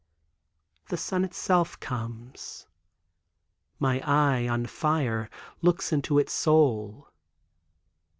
The sun itself comes. My eye, on fire, looks into its soul.